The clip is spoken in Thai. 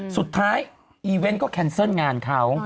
อีเวนต์ก็แคนเซิลงานเขา